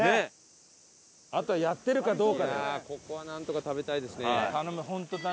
いやあここはなんとか食べたいですね。